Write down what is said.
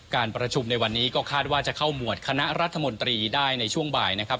การประชุมในวันนี้ก็คาดว่าจะเข้าหมวดคณะรัฐมนตรีได้ในช่วงบ่ายนะครับ